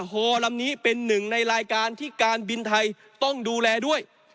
ฮอลำนี้เป็นหนึ่งในรายการที่การบินไทยต้องดูแลด้วย